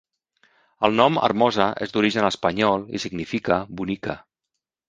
El nom Hermosa és d'origen espanyol i significa "bonica".